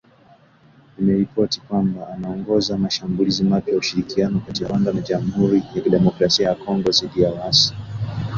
vimeripoti kwamba anaongoza mashambulizi mapya, ushirikiano kati ya Rwanda na Jamuhuri ya Kidemokrasia ya Kongo dhidi ya waasi